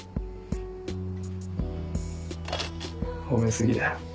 褒め過ぎだよ。